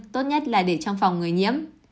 tốt nhất là để trong phòng người nhiễm